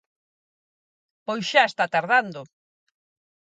Pois xa está tardando.